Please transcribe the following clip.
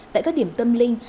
tại các điểm tâm linh